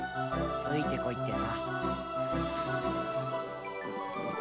ついてこいってさ。